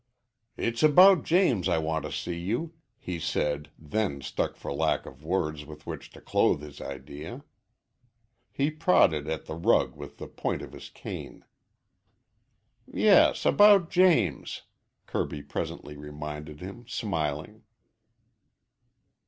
"It's about James I want to see you," he said, then stuck for lack of words with which to clothe his idea. He prodded at the rug with the point of his cane. "Yes, about James," Kirby presently reminded him, smiling.